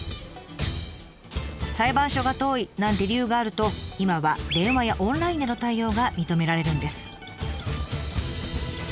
裁判所が遠いなんて理由があると今は電話やオンラインでの対応が認められるんです。